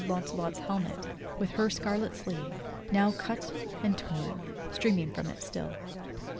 <auncelot's helmet, with her scarlet sleeve, now cut and torn, streaming from it still.